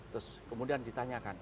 terus kemudian ditanyakan